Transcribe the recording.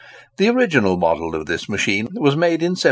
The original model of this machine was made in 1763.